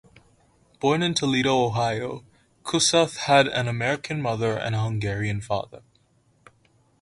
Born in Toledo, Ohio, Kosuth had an American mother and a Hungarian father.